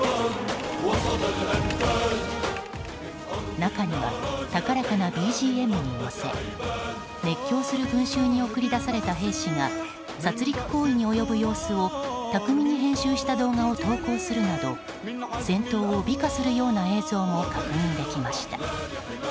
中には、高らかなＢＧＭに乗せ熱狂する群衆に送り出された兵士が殺戮行為に及ぶ様子を巧みに編集した動画を投稿するなど戦闘を美化するような映像も確認できました。